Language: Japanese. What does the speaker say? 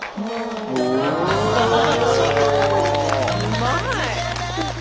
うまい！